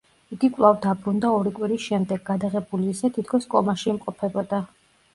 იგი კვლავ დაბრუნდა ორი კვირის შემდეგ, გადაღებული ისე, თითქოს კომაში იმყოფებოდა.